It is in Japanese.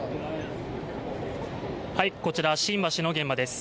こちら新橋の現場です。